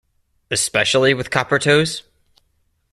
Especially with copper toes?